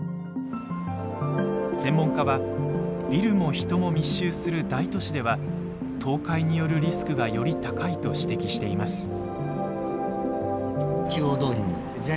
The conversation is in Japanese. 専門家はビルも人も密集する大都市では倒壊によるリスクがより高いと指摘しています。